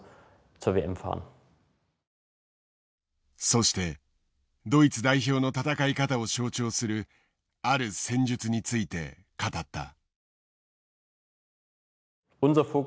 そしてドイツ代表の戦い方を象徴するある戦術について語った。